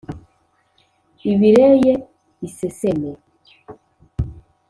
« ibireye iseseme »,